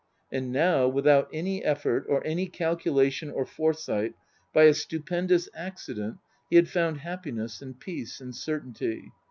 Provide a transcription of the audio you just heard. And now, without any effort, or any calculation or foresight, by a stupendous accident, he had found happi ness and peace and certainty.